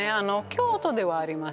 京都ではありますし